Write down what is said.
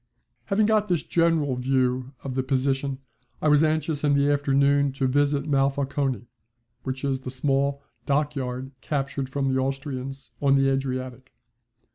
Having got this general view of the position I was anxious in the afternoon to visit Monfalcone, which is the small dockyard captured from the Austrians on the Adriatic.